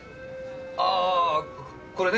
ああこれね。